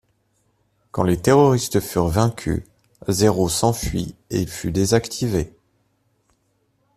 Quand les terroristes furent vaincus, Zéro s'enfuit et il fut désactivé.